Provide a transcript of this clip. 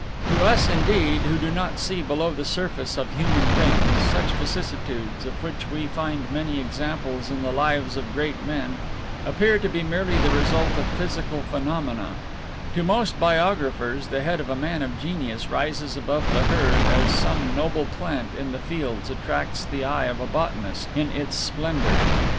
To us, indeed, who do not see below the surface of human things, such vicissitudes, of which we find many examples in the lives of great men, appear to be merely the result of physical phenomena; to most biographers the head of a man of genius rises above the herd as some noble plant in the fields attracts the eye of a botanist in its splendor.